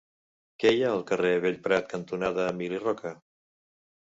Què hi ha al carrer Bellprat cantonada Emili Roca?